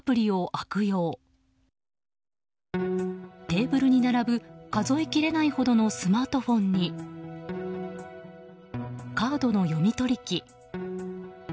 テーブルに並ぶ数えきれないほどのスマートフォンにカードの読み取り機。